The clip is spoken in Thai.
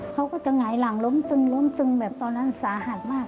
เขาก็จะหงายหลังล้มตึงล้มตึงแบบตอนนั้นสาหัสมาก